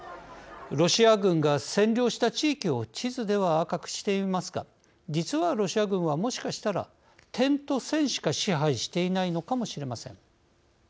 ロシア軍が占領した地域を地図では赤くしていますが実はロシア軍はもしかしたら点と線しか支配していないのかもしれません。